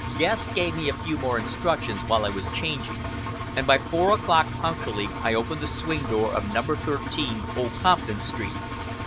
Guest gave me a few more instructions while I was changing, and by four o'clock punctually I opened the swing door of No. 13, Old Compton Street.